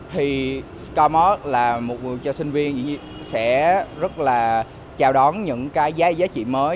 thì skymark là một người sinh viên sẽ rất là chào đón những cái giá trị mới